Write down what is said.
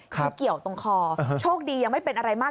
คือเกี่ยวตรงคอโชคดียังไม่เป็นอะไรมาก